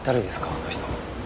あの人。